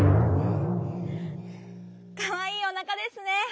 かわいいおなかですね！